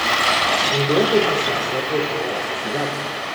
El debate pasa a ser de toda la sociedad.